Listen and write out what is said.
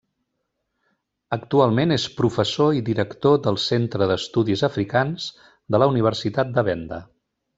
Actualment és professor i director del Centre d'Estudis Africans de la Universitat de Venda.